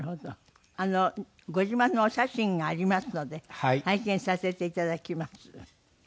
ご自慢のお写真がありますので拝見させていただきます。